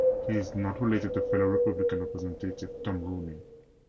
He is not related to fellow Republican representative Tom Rooney.